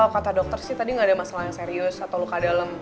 kata dokter sih tadi nggak ada masalah yang serius atau luka dalam